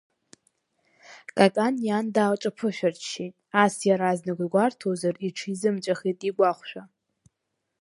Какан иан даалҿаԥышәарччеит, ас иаразнак дгәарҭозар, иҽизымҵәахит игәахәшәа.